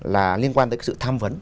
là liên quan tới sự tham vấn